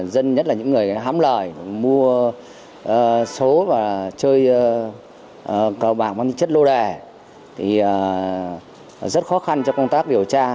dân nhất là những người hám lời mua số và chơi cầu bạc văn chất lô đè thì rất khó khăn cho công tác điều tra